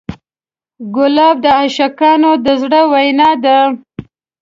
ګلاب د عاشقانو د زړه وینا ده.